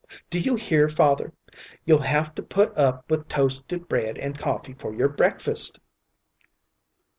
Do you hear, father? You'll have to put up with toasted bread and coffee for your breakfast."